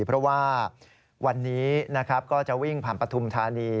เพราะว่าวันนี้นะครับก็จะวิ่งผ่านปฐุมธานี